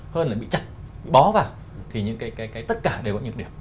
hơn là bị chặt bị bó vào thì tất cả đều có nhược điểm